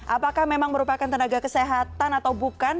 apakah memang merupakan tenaga kesehatan atau bukan